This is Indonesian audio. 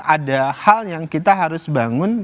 ada hal yang kita harus bangun